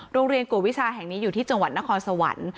โรงเรียนกวดวิชาแห่งนี้อยู่ที่จังหวัดนครสวรรค์